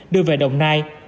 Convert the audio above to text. đưa về đồng nai